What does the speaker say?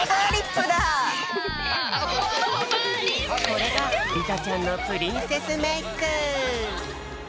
これがりたちゃんのプリンセスメーク！